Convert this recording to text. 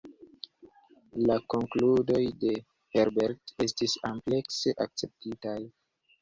La konkludoj de Herbert estis amplekse akceptitaj.